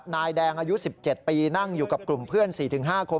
นายแดงอายุ๑๗ปีนั่งอยู่กับกลุ่มเพื่อน๔๕คน